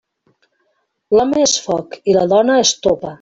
L'home és foc i la dona, estopa.